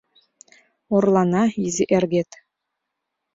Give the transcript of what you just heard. Орлана изи эргет;